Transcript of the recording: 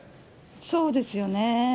そうですよね。